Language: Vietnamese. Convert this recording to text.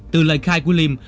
từ lời khai của liêm